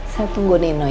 saya tunggu nino ya